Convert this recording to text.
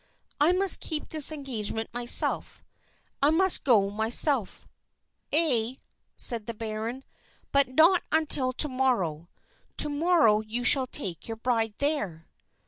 "I must keep this engagement myself I must go myself " "Ay," said the baron, "but not until to morrow to morrow you shall take your bride there."